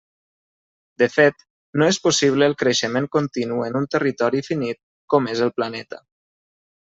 De fet, no és possible el creixement continu en un territori finit com és el planeta.